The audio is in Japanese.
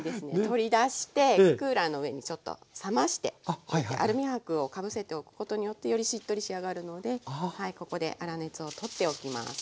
取り出してクーラーの上にちょっと冷ましてアルミ箔をかぶせておくことによってよりしっとり仕上がるのでここで粗熱を取っておきます。